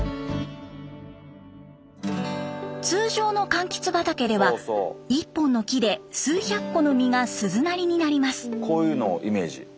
通常のかんきつ畑では一本の木で数百個の実が鈴なりになります。